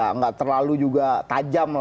enggak terlalu juga tajam